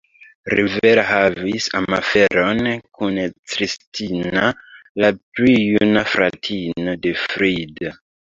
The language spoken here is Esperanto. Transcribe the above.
Rivera havis amaferon kun Cristina, la pli juna fratino de Frida.